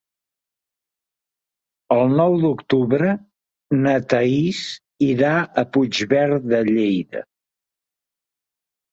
El nou d'octubre na Thaís irà a Puigverd de Lleida.